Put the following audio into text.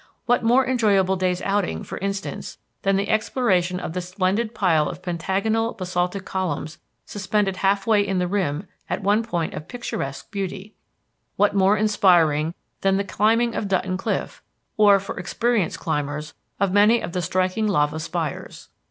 What more enjoyable day's outing, for instance, than the exploration of the splendid pile of pentagonal basaltic columns suspended half way in the rim at one point of picturesque beauty? What more inspiring than the climbing of Dutton Cliff, or, for experienced climbers, of many of the striking lava spires?